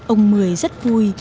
ông mười rất vui